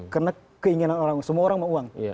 karena keinginan orang semua orang mau uang